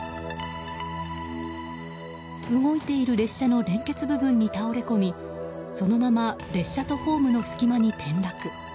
動いている列車の連結部分に倒れ込みそのまま列車とホームの隙間に転落。